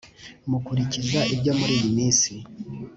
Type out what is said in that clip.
mukurikiza ibyo muri iyi si